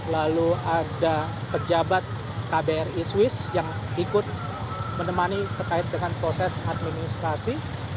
lalu ada pejabat kbri swiss yang ikut menemani terkait dengan proses administrasi